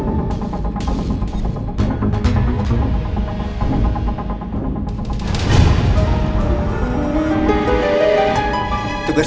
kamu bisa berjaya